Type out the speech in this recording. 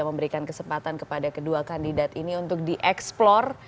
memberikan kesempatan kepada kedua kandidat ini untuk dieksplor